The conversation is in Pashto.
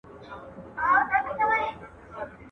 نه له ډوله آواز راغی نه سندره په مرلۍ کي.